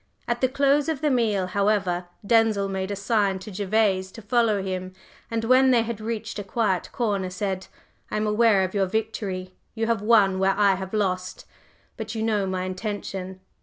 At the close of the meal, however, Denzil made a sign to Gervase to follow him, and when they had reached a quiet corner, said: "I am aware of your victory; you have won where I have lost. But you know my intention?"